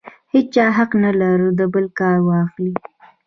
هېچا حق نه لري د بل کار واخلي.